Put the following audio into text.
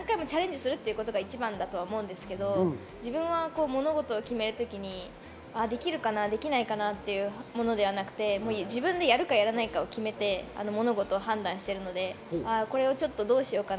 何回も経験する、チャレンジするということが一番だと思いますけれど、自分は物事を決める時に、できるかな、できないかなというものではなくて、自分でやるか、やらないか決めて判断しているので、どうしようかな？